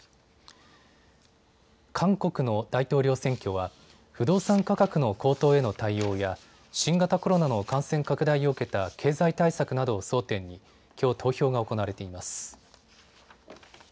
韓国の大統領選挙は不動産価格の高騰への対応や新型コロナの感染拡大を受けた経済対策などを争点にきょう投票が行われています。